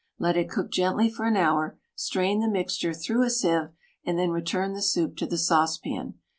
Let it cook gently for an hour; strain the mixture through a sieve and then return the soup to the saucepan.